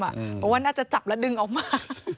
เพราะว่าน่าจะจับแล้วดึงออกมา